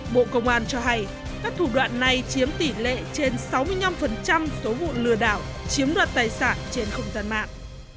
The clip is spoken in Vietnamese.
bộ công an cho hay các thủ đoạn này chiếm tỷ lệ trên sáu mươi năm số vụ lừa đảo chiếm đoạt tài sản trên không gian mạng